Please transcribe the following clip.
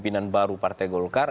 pimpinan baru partai golkar